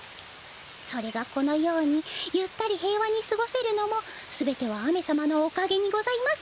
それがこのようにゆったり平和にすごせるのも全ては雨様のおかげにございます。